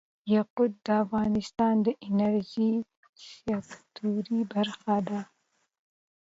یاقوت د افغانستان د انرژۍ سکتور برخه ده.